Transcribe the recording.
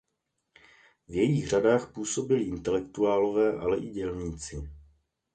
V jejích řadách působili intelektuálové ale i dělníci.